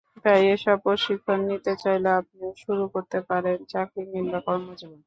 তাই এসব প্রশিক্ষণ নিয়ে চাইলে আপনিও শুরু করতে পারেন চাকরি কিংবা কর্মজীবন।